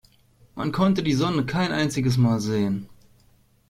Man konnte die Sonne kein einziges Mal sehen.